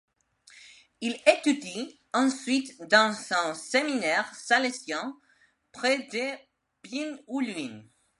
Il étudie ensuite dans un séminaire salésien près de Pyin U Lwin.